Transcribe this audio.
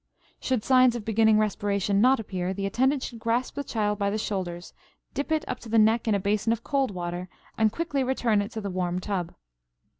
Should signs of beginning respiration not appear, the attendant should grasp the child by the shoulders, dip it up to the neck in a basin of cold water and quickly return it to the warm tub.